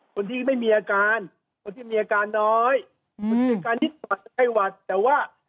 คนที่ไม่มีอาการคนที่มีอาการน้อยคนมีอาการที่หวัดไข้หวัดแต่ว่า